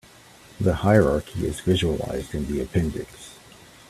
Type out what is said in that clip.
The hierarchy is visualized in the appendix.